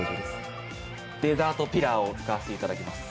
デザートピラーを使わせていただきます。